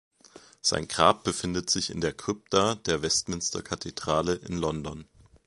Sein Grab befindet sich in der Krypta der Westminster-Kathedrale in London.